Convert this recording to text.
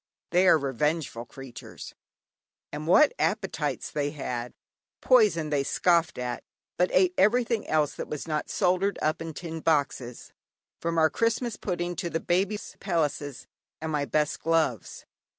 They are revengeful creatures. And what appetites they had? Poison they scoffed at, but ate everything else that was not soldered up in tin boxes, (from our Christmas pudding, to the Baby's pelisses, and my best gloves).